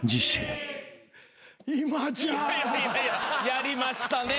やりましたね。